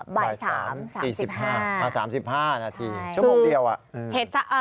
บ่ายสามสี่สิบห้าบ่ายสามสิบห้านาทีชั่วโมงเดียวอะ